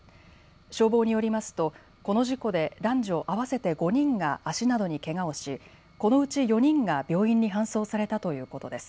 消防によりますと、この事故で男女合わせて５人が足などにけがをし、このうち４人が病院に搬送されたということです。